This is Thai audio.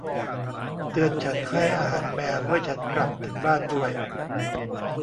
เตือนฉันให้อาหารแมวเมื่อฉันกลับถึงบ้านด้วย